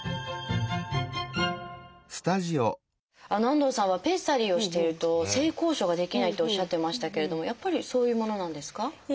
安藤さんはペッサリーをしていると性交渉ができないとおっしゃってましたけれどもやっぱりそういうものなんですか？